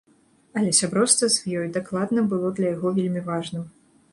Але сяброўства з ёй дакладна было для яго вельмі важным.